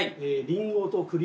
リンゴと栗？